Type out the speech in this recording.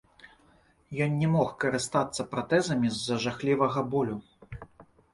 Ён не мог карыстацца пратэзамі з-за жахлівага болю.